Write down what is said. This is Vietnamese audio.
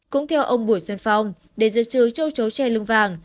cũng theo ông bùi xuân phong để giữ trừ châu chấu tre lưng vàng